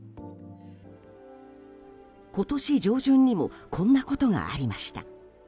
今年上旬にもこんなことがありました。